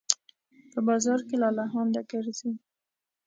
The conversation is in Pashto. په بازار کې لالهانده ګرځي